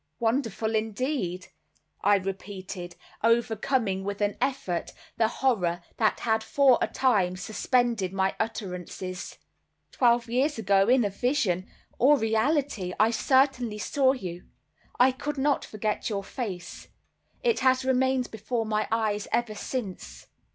"Wonderful indeed!" I repeated, overcoming with an effort the horror that had for a time suspended my utterances. "Twelve years ago, in vision or reality, I certainly saw you. I could not forget your face. It has remained before my eyes ever since."